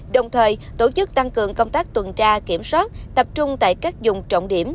đồng thời tổ chức tăng cường công tác tuần tra kiểm soát tập trung tại các dùng trọng điểm